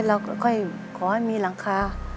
เราก็ค่อยขอให้มีหลังคา